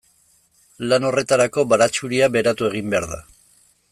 Lan horretarako baratxuria beratu egin behar da.